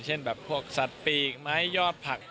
เช่นแบบพวกสัตว์ปีกไม้ยอดผัก